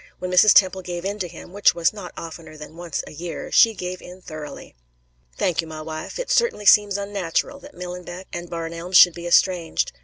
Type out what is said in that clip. When Mrs. Temple gave in to him, which was not oftener than once a year, she gave in thoroughly. "Thank you, my wife. It certainly seems unnatural that Millenbeck and Barn Elms should be estranged.